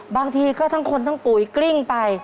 บางทีก็ทั้งคนทั้งปุ๋ยกลิ้งไป